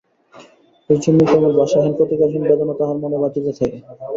এইজন্যই কেবল ভাষাহীন প্রতিকারহীন বেদনা তাহার মনে বাজিতে থাকে।